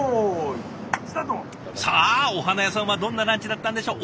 さあお花屋さんはどんなランチだったんでしょう？